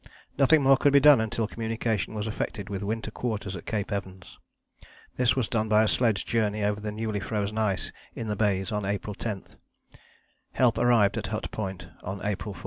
Nothing more could be done until communication was effected with Winter Quarters at Cape Evans. This was done by a sledge journey over the newly frozen ice in the bays on April 10. Help arrived at Hut Point on April 14.